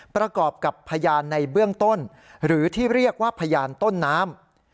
ประกอบกับพยานในเบื้องต้นหรือที่เรียกว่าพยานต้นน้ำ